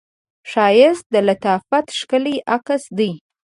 ښایست د لطافت ښکلی عکس دی